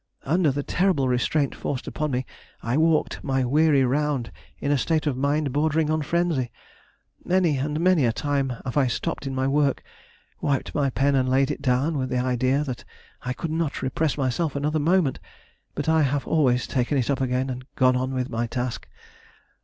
Under the terrible restraint forced upon me, I walked my weary round in a state of mind bordering on frenzy. Many and many a time have I stopped in my work, wiped my pen and laid it down with the idea that I could not repress myself another moment, but I have always taken it up again and gone on with my task.